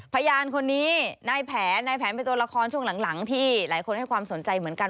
พยานคนนี้นายแผนนายแผนเป็นตัวละครช่วงหลังที่หลายคนให้ความสนใจเหมือนกัน